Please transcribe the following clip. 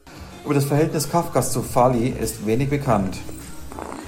Über das Verhältnis Kafkas zu Valli ist wenig bekannt.